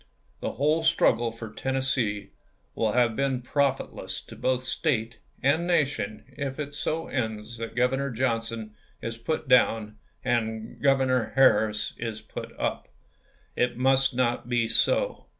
The whole struggle for Tennessee wiU have been profit less to both State and Nation if it so ends that Governor Johnson is put down and Governor Harris is put up. It must not be so.